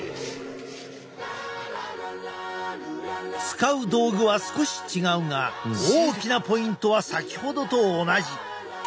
使う道具は少し違うが大きなポイントは先ほどと同じ。